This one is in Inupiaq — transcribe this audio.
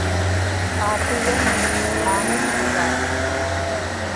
aapiyani qaaŋiŋagaa